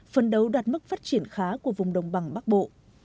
phân đấu đạt mức phát triển khá của vùng đồng bằng bắc bộ